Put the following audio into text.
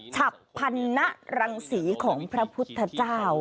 ฉับพันนรังศรีของพระพุทธเจ้า